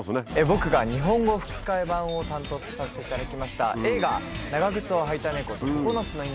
僕が日本語吹き替え版を担当させていただきました映画。